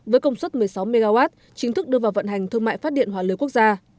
với công suất một mươi sáu mw chính thức đưa vào vận hành thương mại phát điện hỏa lưới quốc gia